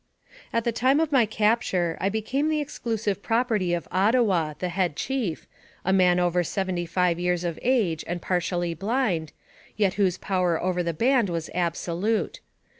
At the time of my capture I became the exclusive property of Ottawa, the head chief, a man over sev enty five years of age, and partially blind, yet whose power over the band was absolute.